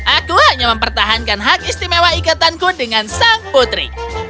aku hanya mempertahankan hak istimewa ikatanku dengan sang putri